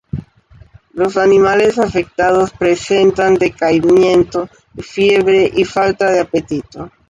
Los animales afectados presentan decaimiento, fiebre y falta de apetito.